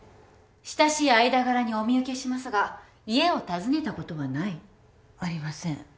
親しい間柄にお見受けしますが家を訪ねたことはない？ありません。